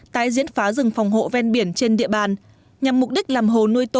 tại diễn phá rừng phòng hộ ven biển trên địa bàn